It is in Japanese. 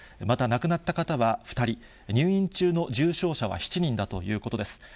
また亡くなった方は２人、入院中の重症者は７人だということです。